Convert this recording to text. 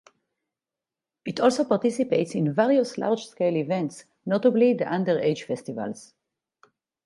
It also participates in various large-scale events, notably the Underage festivals.